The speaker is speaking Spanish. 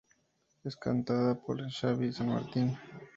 Es cantada por Xabi San Martín.